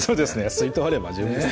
水筒あれば十分です